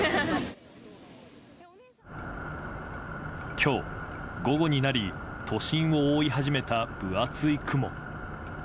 今日、午後になり都心を覆い始めた分厚い雲。